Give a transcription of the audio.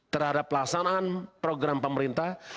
terhadap pelaksanaan program pemerintah